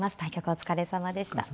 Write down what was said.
お疲れさまでした。